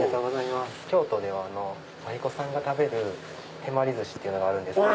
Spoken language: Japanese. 京都では舞妓さんが食べる手まりずしがあるんですけど。